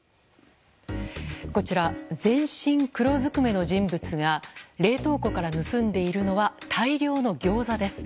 こちら、全身黒ずくめの人物が冷凍庫から盗んでいるのは大量のギョーザです。